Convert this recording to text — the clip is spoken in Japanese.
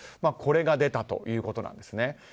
これが出たということなんです。